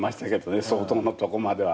相当のとこまでは。